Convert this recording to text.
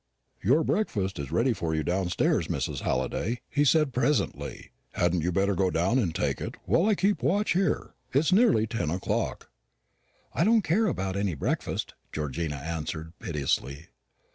"Your breakfast is ready for you downstairs, Mrs. Halliday," he said presently; "hadn't you better go down and take it, while I keep watch here? It's nearly ten o'clock." "I don't care about any breakfast," Georgina answered piteously.